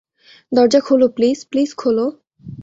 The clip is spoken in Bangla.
দরজা খোলো প্লীজ, প্লীজ খোলো।